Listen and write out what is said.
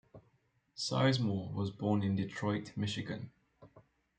Sizemore was born in Detroit, Michigan.